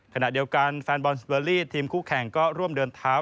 ขณะเดียวกันแฟนบอลสเบอร์รี่ทีมคู่แข่งก็ร่วมเดินเท้า